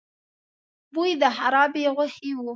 بوی د خرابې غوښې و.